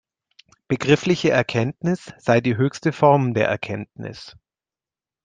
Begriffliche Erkenntnis sei die höchste Form der Erkenntnis.